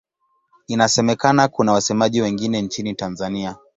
Inasemekana kuna wasemaji wengine nchini Tanzania.